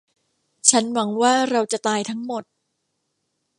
ฉันหวังว่าเราจะตายทั้งหมด